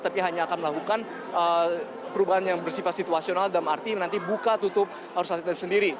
tapi hanya akan melakukan perubahan yang bersifat situasional dalam arti nanti buka tutup arus listrik sendiri